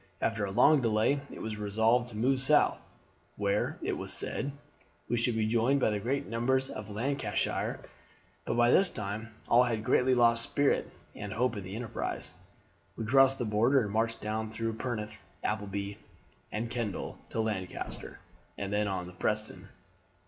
After a long delay it was resolved to move south, where, it was said, we should be joined by great numbers in Lancashire; but by this time all had greatly lost spirit and hope in the enterprise. We crossed the border and marched down through Penrith, Appleby, and Kendal to Lancaster, and then on to Preston.